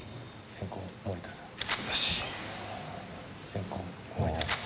先攻・森田さん。